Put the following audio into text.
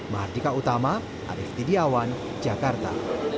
mahardika utama arief tidiawan jakarta